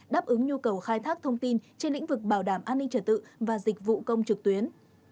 đáp ứng nhu cầu khai thác thông tin trên lĩnh vực bảo đảm an ninh trật tự và dịch vụ công trực tuyến